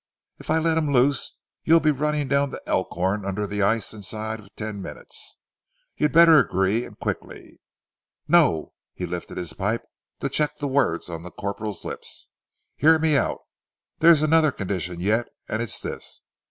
If I let him loose you'll be running down the Elkhorn under the ice inside ten minutes. You'd better agree and quickly. No!" he lifted his pipe to check the words on the corporal's lips. "Hear me out. There's another condition yet, and it is this.